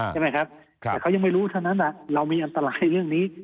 ใช่ไหมครับแต่เขายังไม่รู้เท่านั้นเรามีอันตรายเรื่องนี้